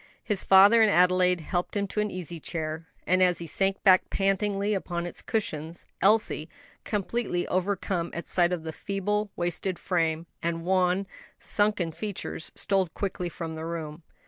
His father and Adelaide helped him to an easy chair, and as he sank back pantingly upon its cushions, Elsie completely overcome at sight of the feeble, wasted frame, and wan, sunken features stole quickly from the room.